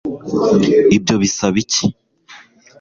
ibyo bisaba iki